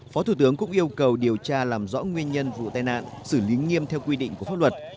phó thủ tướng cũng yêu cầu điều tra làm rõ nguyên nhân vụ tai nạn xử lý nghiêm theo quy định của pháp luật